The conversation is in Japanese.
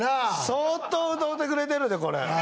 相当歌うてくれてるで、これ。